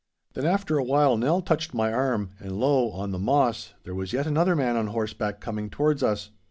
Then after a while Nell touched my arm, and lo! on the Moss, there was yet another man on horseback coming towards us.